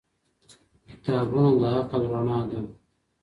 کتابونه د عقل رڼا ده.